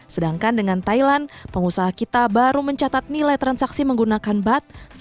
sedangkan dengan thailand pengusaha kita baru mencatat nilai transaksi menggunakan bat